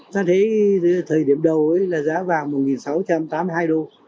ta thấy thời điểm đầu là giá vàng một sáu trăm tám mươi hai đô